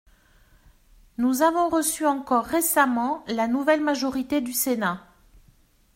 Nous avons reçu encore récemment la nouvelle majorité du Sénat.